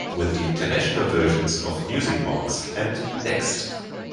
With the international versions of "Music Monks" and "Next!